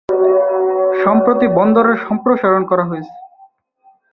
সম্প্রতি বন্দরের সম্প্রসারণ করা হয়েছে।